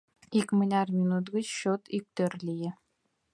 Икмыняр минут гыч счёт иктӧр лие.